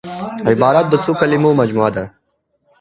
عبارت د څو کليمو مجموعه ده.